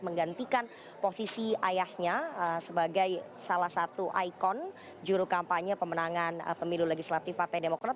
menggantikan posisi ayahnya sebagai salah satu ikon juru kampanye pemenangan pemilu legislatif partai demokrat